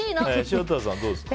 潮田さんはどうですか？